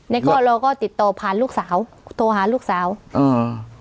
แล้วก็เราก็ติดต่อผ่านลูกสาวโทรหาลูกสาวอ่า